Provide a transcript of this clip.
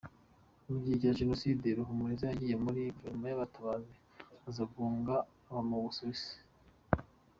Mugihe cya Jenoside, Ruhumuriza yagiye muri Guverinoma y’abatabazi, aza guhunga aba mu Busuwisi.